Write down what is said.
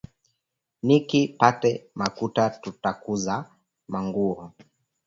Niki pate makuta takuziya manguwo